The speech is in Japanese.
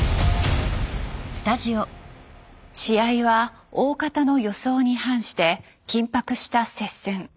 試合は大方の予想に反して緊迫した接戦。